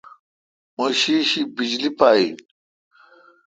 او شیشی بجلی پا این۔